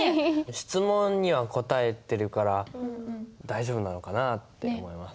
質問には答えてるから大丈夫なのかなって思います。